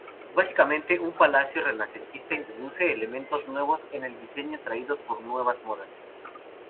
Básicamente un palacio renacentista, introduce elementos nuevos en el diseño traídos por nuevas modas.